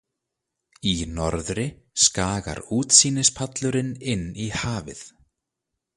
Í norðri skagar útsýnispallurinn inn í hafið.